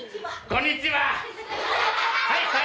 こんにちは。